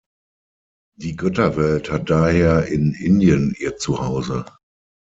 Die Götterwelt hat daher in Indien ihr zu Hause.